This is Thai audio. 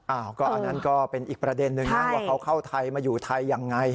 อันนั้นก็เป็นอีกประเด็นนึงนะว่าเขาเข้าไทยมาอยู่ไทยยังไง